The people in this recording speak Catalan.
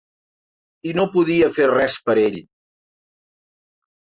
I no podia fer res per ell.